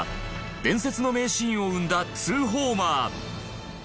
伝説の名シーンを生んだ２ホーマー。